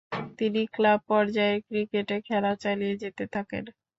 তিনি ক্লাব পর্যায়ের ক্রিকেটে খেলা চালিয়ে যেতে থাকেন।